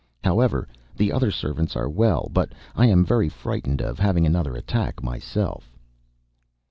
However, the other servants are all well, but I am very frightened of having another attack, myself.